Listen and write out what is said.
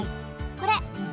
これ！